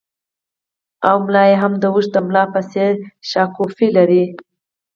او ملا یې هم د اوښ د ملا په څېر شاکوپي لري